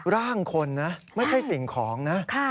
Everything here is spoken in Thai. ร่างคนนะไม่ใช่สิ่งของนะ